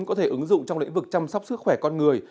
có thể ứng dụng trong lĩnh vực chăm sóc sức khỏe con người